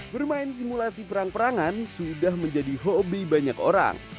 bermain simulasi perang perangan sudah menjadi hobi banyak orang